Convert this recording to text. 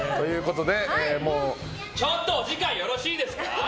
ちょっとお時間よろしいですか？